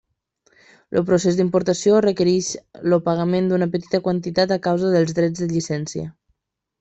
El procés d'importació requereix el pagament d'una petita quantitat a causa dels drets de llicència.